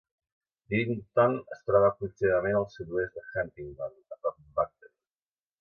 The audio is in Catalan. Diddington es troba aproximadament al sud-oest de Huntingdon, a prop de Buckden.